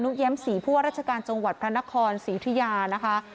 ธุ์เรียกผู้ว่ารัชกาลจังหวัดพระนครสีทุยานะคะ